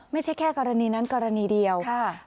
ไม่ใช่แค่กรณีนั้นกรณีเดียว